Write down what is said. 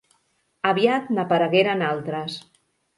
Aviat n'aparegueren altres.